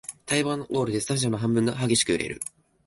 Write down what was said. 待望のゴールでスタジアムの半分が激しく揺れる